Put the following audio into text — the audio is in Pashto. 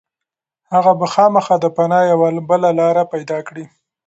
هغه به خامخا د پناه یوه بله لاره پيدا کړي.